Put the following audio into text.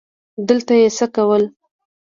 دلته یې څه کول ؟